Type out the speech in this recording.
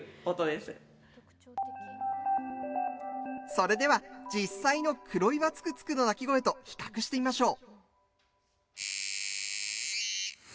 それでは、実際のクロイワツクツクの鳴き声と比較してみましょう。